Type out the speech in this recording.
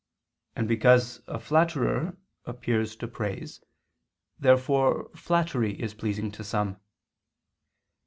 And because a flatterer appears to praise, therefore flattery is pleasing to some.